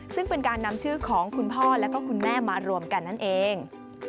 ซึ่งเป็นการนำชื่อของคุณพ่อและคุณแม่มารวมกันนั่นเอง